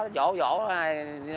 gió đó vỗ vỗ